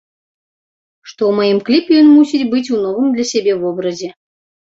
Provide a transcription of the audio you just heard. Што ў маім кліпе ён мусіць быць у новым для сябе вобразе.